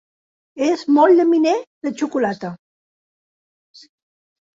És molt llaminer de xocolata.